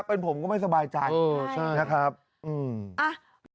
เป็นผมก็ไม่สบายใจนะครับอืมอ่ะ